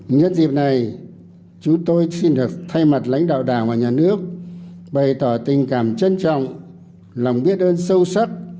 nhân dịp này chúng tôi xin được thay mặt lãnh đạo đảng và nhà nước bày tỏ tình cảm trân trọng lòng biết ơn sâu sắc